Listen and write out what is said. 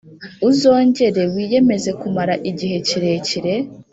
Uzongere wiyemeze kumara igihe kirekire